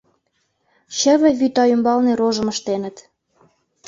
Чыве вӱта ӱмбалне рожым ыштеныт.